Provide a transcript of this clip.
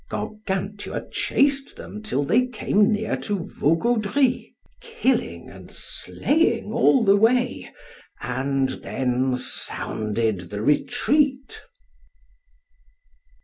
Gargantua chased them till they came near to Vaugaudry, killing and slaying all the way, and then sounded the retreat.